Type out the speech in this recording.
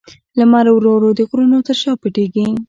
لمر ورو ورو د غرونو تر شا پټېږي.